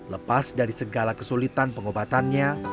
lepas dari segala kesulitan pengobatannya